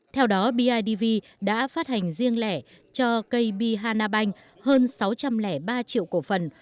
theo đó bidv đã phát hành riêng lẻ cho kb hanabank hơn sáu trăm linh ba triệu cổ phần